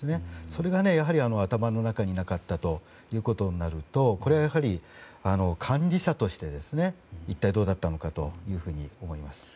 それが頭の中になかったということになるとこれは管理者として一体どうだったのかというふうに思います。